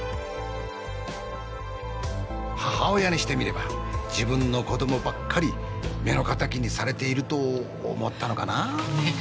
母親にしてみれば自分の子どもばっかり目の敵にされていると思ったのかなぁねえ